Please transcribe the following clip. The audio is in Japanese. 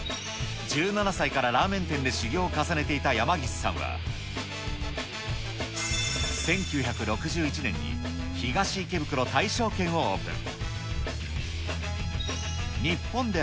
１７歳からラーメン店で修業を重ねていた山岸さんは、１９６１年に東池袋に大勝軒をオープン。